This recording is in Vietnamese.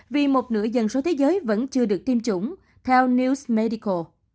vì một nửa dân số thế giới vẫn chưa được tiêm chủng theo news medical